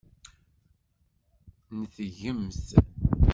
Neṭgemt!